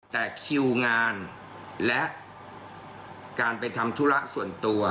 แต่คิวงานและการไปทำธุระส่วนตัว